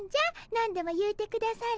何でも言うてくだされ。